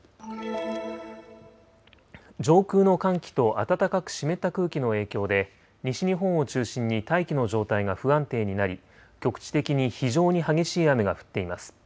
上空の寒気と暖かく湿った空気の影響で西日本を中心に大気の状態が不安定になり局地的に非常に激しい雨が降っています。